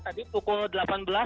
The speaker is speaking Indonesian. tadi pukul delapan belas